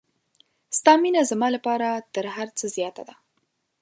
ستا مینه زما لپاره تر هر څه زیاته ده.